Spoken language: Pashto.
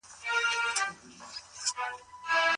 ده د خبرو پر ځای عمل ته ارزښت ورکاوه.